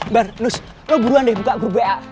bar nus lo buruan deh buka grup wa